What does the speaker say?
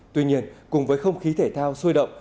tuy nhiên cùng với không khí thể thao sôi động